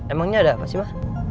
emangnya ada apa sih mah